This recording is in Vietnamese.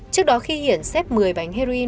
trước đó khi hiển xếp một mươi bánh heroin